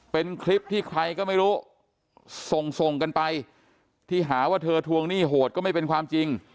เป็นคลิปที่ใครก็ไม่รู้ส่งส่งกันไปที่หาว่าเธอทวงหนี้โหดก็ไม่เป็นความจริง